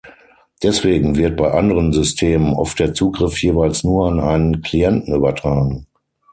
Deswegen wird bei anderen Systemen oft der Zugriff jeweils nur an einen Klienten übertragen.